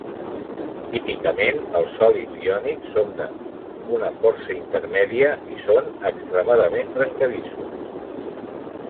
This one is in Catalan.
Típicament, els sòlids iònics Sonde una força intermèdia, i són extremadament trencadissos.